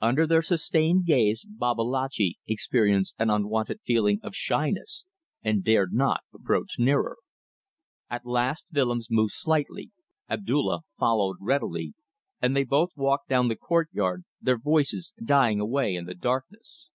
Under their sustained gaze Babalatchi experienced an unwonted feeling of shyness, and dared not approach nearer. At last Willems moved slightly, Abdulla followed readily, and they both walked down the courtyard, their voices dying away in the darkness.